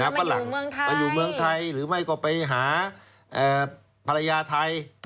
ไปอยู่เมืองไทยหรือไปหาภรรยาไทย